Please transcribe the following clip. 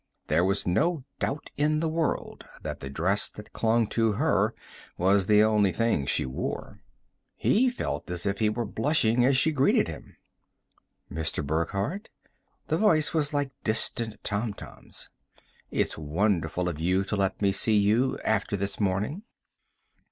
There was no doubt in the world that the dress that clung to her was the only thing she wore. He felt as if he were blushing as she greeted him. "Mr. Burckhardt." The voice was like distant tomtoms. "It's wonderful of you to let me see you, after this morning."